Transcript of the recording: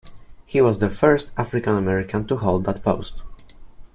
He was the first African American to hold that post.